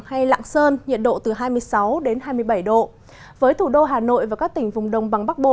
hay lạng sơn nhiệt độ từ hai mươi sáu đến hai mươi bảy độ với thủ đô hà nội và các tỉnh vùng đông bằng bắc bộ